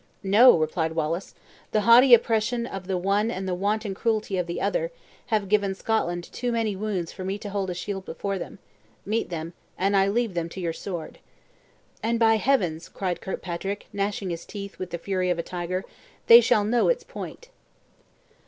"No," replied Wallace; "the haughty oppression of the one and the wanton cruelty of the other, have given Scotland too many wounds for me to hold a shield before them; meet them, and I leave them to your sword." "And by heavens!" cried Kirkpatrick, gnashing his teeth with the fury of a tiger, "they shall know its point!"